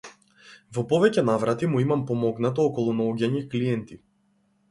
Во повеќе наврати му имам помогнато околу наоѓање клиенти.